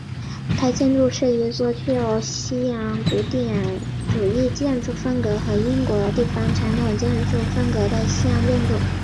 该建筑是一座具有西洋古典主义建筑风格和英国地方传统建筑风格的西洋建筑。